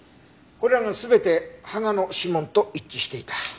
これらが全て芳賀の指紋と一致していた。